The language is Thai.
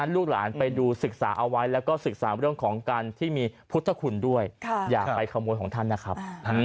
ลูกหลานไปดูศึกษาเอาไว้แล้วก็ศึกษาเรื่องของการที่มีพุทธคุณด้วยอย่าไปขโมยของท่านนะครับ